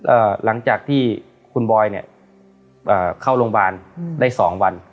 หลังจากที่คุณบอยเนี้ยเอ่อเข้าโรงพยาบาลอืมได้สองวัน